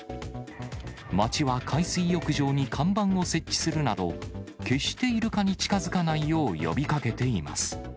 町は海水浴場に看板を設置するなど、決してイルカに近づかないよう呼びかけています。